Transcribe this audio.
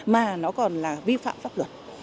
mà nó còn là vi phạm pháp luật